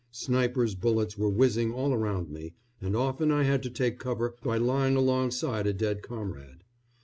Snipers' bullets were whizzing all around me, and often I had to take cover by lying alongside a dead comrade.